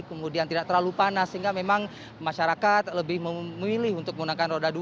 kemudian tidak terlalu panas sehingga memang masyarakat lebih memilih untuk menggunakan roda dua